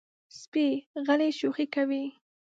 سپي غلی شوخي کوي.